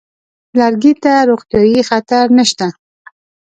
لرګي ته روغتیايي خطر نشته.